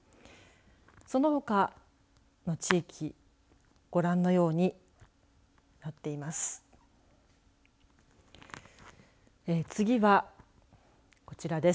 そのほかの地域ご覧のようになっています。